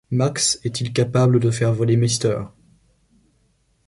Max est-il capable de faire voler Mr.